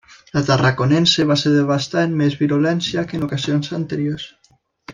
La Tarraconense va ser devastada amb més virulència que en ocasions anteriors.